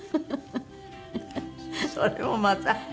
それもまた。